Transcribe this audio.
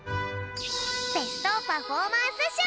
ベストパフォーマンスしょう。